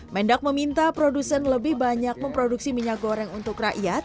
mendak meminta produsen lebih banyak memproduksi minyak goreng untuk rakyat